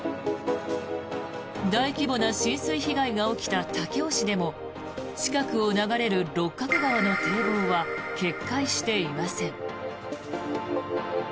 大規模な浸水被害が起きた武雄市でも近くを流れる六角川の堤防は決壊していません。